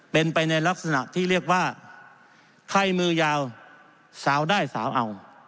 เป็นไปในลักษณะที่เรียกว่าใครมือยาวสาวได้สาวเอา